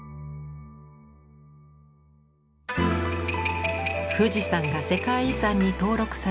富士山が世界遺産に登録されて１０年。